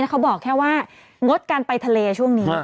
เขาบอกแค่ว่างดการไปทะเลช่วงนี้